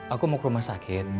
aku mau ke rumah sakit